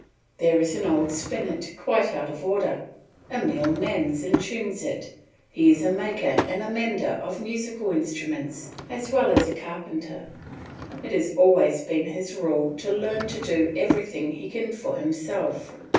There is an old spinet quite out of order. Emile mends and tunes it; he is a maker and mender of musical instruments as well as a carpenter; it has always been his rule to learn to do everything he can for himself.